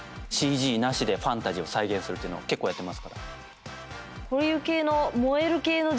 ＣＧなしでファンタジーを再現するというのを結構やってますから。